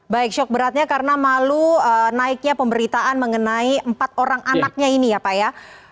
baik shock beratnya karena malu naiknya pemberitaan mengenai empat orang anaknya ini ya pak ya